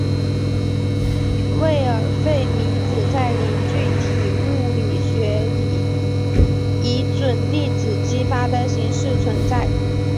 魏尔费米子在凝聚体物理学里以准粒子激发的形式存在。